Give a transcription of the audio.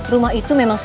rumah itu memang sulit